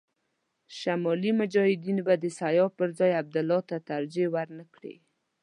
شمالي مجاهدین به د سیاف پر ځای عبدالله ته ترجېح ور نه کړي.